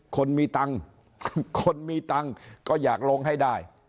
คนมีตังค์คนมีตังค์ก็อยากลงให้ได้